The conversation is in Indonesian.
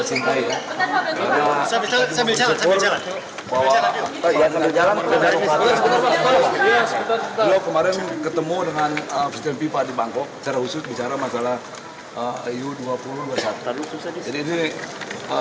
ini bukan kemenangan saya tapi kemenangan insan sepak bola indonesia